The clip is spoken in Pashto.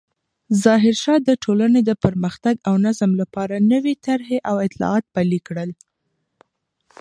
ظاهرشاه د ټولنې د پرمختګ او نظم لپاره نوې طرحې او اصلاحات پلې کړل.